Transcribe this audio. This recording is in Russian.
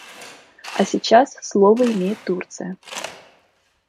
А сейчас слово имеет Турция.